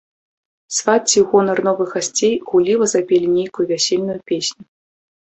Свацці ў гонар новых гасцей гулліва запелі нейкую вясельную песню.